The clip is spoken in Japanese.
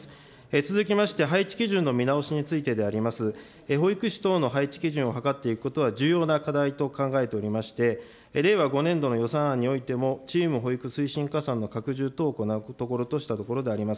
続きまして、配置基準の見直しについてであります。保育士等の配置基準を図っていくことは重要な課題と考えておりまして、令和５年度の予算案においても、チーム保育推進加算の拡充を行うところとしたところであります。